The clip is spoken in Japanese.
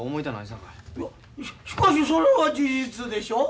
・しかしそれは事実でしょう。